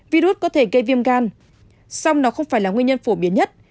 virus có thể gây viêm gan xong nó không phải là nguyên nhân phổ biến nhất